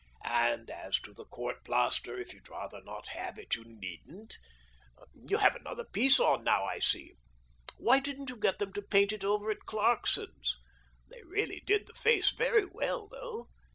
And as to the court plaster, if you'd rather not have it you needn't. You have another piece on now, I see. Why didn't you get them to paint it over at Clarkson's ? They really did the face very well, though